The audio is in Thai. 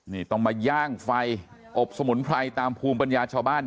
นี่ต้องมาย่างไฟอบสมุนไพรตามภูมิปัญญาชาวบ้าน